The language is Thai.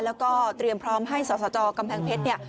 แล้วก็เตรียมพร้อมให้สตกำแพงเพชร